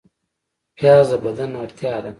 پیاز د بدن اړتیا ده